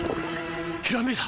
ひらめいた！